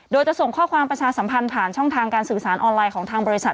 โดยจะส่งข้อความประชาสัมพันธ์ผ่านช่องทางการสื่อสารออนไลน์ของทางบริษัท